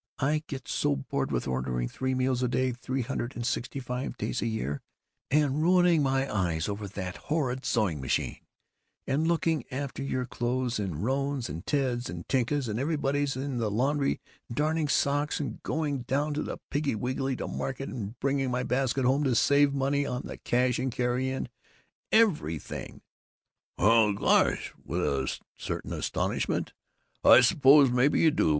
I get so bored with ordering three meals a day, three hundred and sixty five days a year, and ruining my eyes over that horrid sewing machine, and looking after your clothes and Rone's and Ted's and Tinka's and everybody's, and the laundry, and darning socks, and going down to the Piggly Wiggly to market, and bringing my basket home to save money on the cash and carry and everything!" "Well, gosh," with a certain astonishment, "I suppose maybe you do!